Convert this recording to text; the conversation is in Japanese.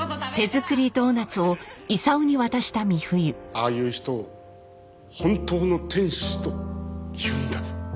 ああいう人を本当の天使というんだ。